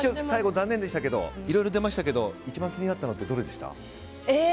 最後、残念でしたけどいろいろありましたけど一番気になったのどれでした？